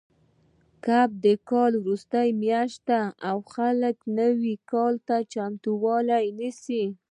کب د کال وروستۍ میاشت ده او خلک نوي کال ته چمتووالی نیسي.